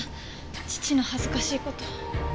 父の恥ずかしい事を。